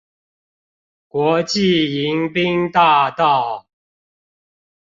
國際迎賓大道